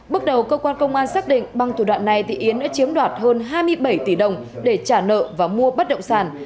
bước đầu cơ quan công an xác định bằng thủ đoạn này thì yến đã chiếm đoạt hơn hai mươi bảy tỷ đồng để trả nợ và mua bất động sản